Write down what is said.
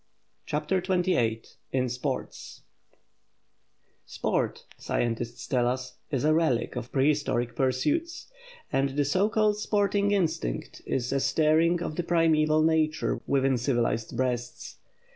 CHAPTER XXVIII IN SPORT SPORT, scientists tell us, is a relic of prehistoric pursuits; and the so called sporting instinct is a stirring of the primeval nature within civilized breasts.